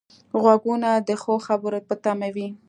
غوږونه د ښو خبرو په تمه وي